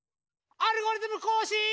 「アルゴリズムこうしん」！